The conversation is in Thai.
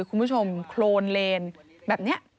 คุณผู้ชมโครนเลนแบบเนี่ย